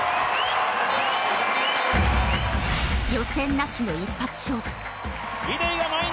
予選なしの一発勝負。